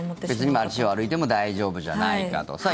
別に街を歩いても大丈夫じゃないかと。